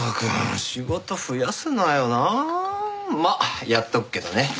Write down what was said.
まあやっておくけどね。